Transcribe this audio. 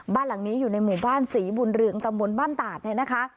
บ้านหลังนี้อยู่ในหมู่บ้านศรีบุญเรืองตำบลบ้านตาดเนี่ยนะคะ